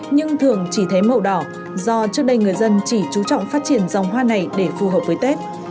nhưng thường chỉ thấy màu đỏ do trước đây người dân chỉ chú trọng phát triển dòng hoa này để phù hợp với tết